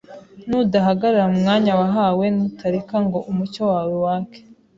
Nudahagarara mu mwanya wahawe, nutareka ngo umucyo wawe wake,